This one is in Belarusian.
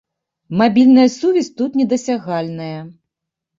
Мабільная сувязь тут недасягальная!